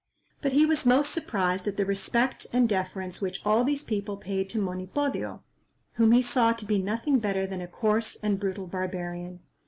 But he was most surprised at the respect and deference which all these people paid to Monipodio, whom he saw to be nothing better than a coarse and brutal barbarian.